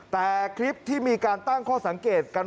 แต่คลิปที่มีการตั้งข้อสังเกตกัน